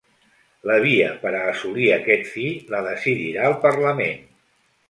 La via per a assolir aquest fi ‘la decidirà el parlament’.